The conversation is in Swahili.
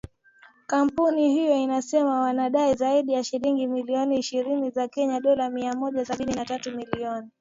kampuni hiyo inasema wanadai zaidi ya shilingi bilioni ishirini za Kenya dola mia moja sabini na tatu milioni